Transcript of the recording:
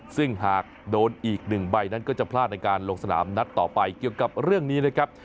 ซึ่งหากโดนอีกหนึ่งใบนั้นก็จะพลาดในการลงสนามนัดต่อไปเกี่ยวกับเรื่องนี้นะครับ